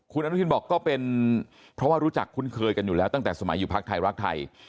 คุณอนุทินบอกก็เป็นเพราะว่ารู้จักคุ้นเคยกันอยู่แล้วตั้งแต่สมัยอยู่พักไทยรักไทย